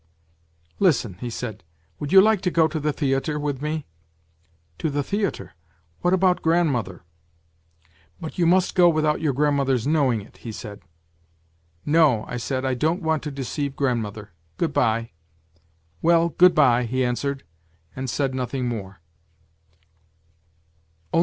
' Listen,' he said, ' would you like to go to the theatre with me?' ' To the theatre. What about grandmother ?'' But you must go without your grandmother's knowing it,' he said. "' No,' I said, ' I don't want to deceive grandmother. Good bye.' "' Well, good bye,' he answered, and said nothing more.